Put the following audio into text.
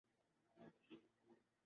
وہ عمودی نہیں بلکہ افقی صورت کا تھا